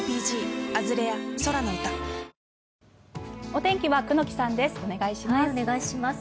お天気は久能木さんです。